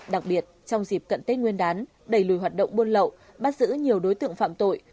đặc biệt trong dịp cận tết nguyên đán đẩy lùi hoạt động buôn lậu bắt giữ nhiều đối tượng phạm tội